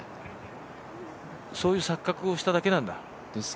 そういう錯覚をしただけなんだ。